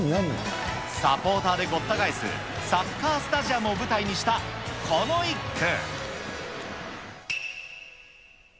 サポーターでごった返すサッカースタジアムを舞台にしたこの一句。